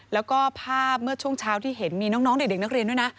แล้วก็ภาพเมื่อช่วงเช้าที่เห็นมีน้องเด็กนักเรียนด้วยนะ